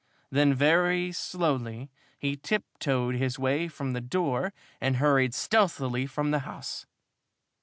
Then very slowly he tiptoed his way from the door and hurried stealthily from the house.